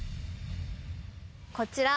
こちら。